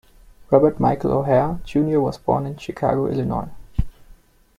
Robert Michael O'Hare, Junior was born in Chicago, Illinois.